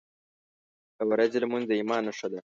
• د ورځې لمونځ د ایمان نښه ده.